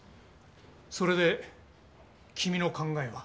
それで君の考えは？